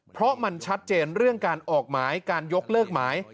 เพราะมันชัดเจนเรื่องการออกหมายการยกเลิกหมาย